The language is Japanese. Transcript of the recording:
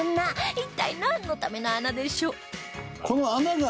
一体なんのための穴でしょう？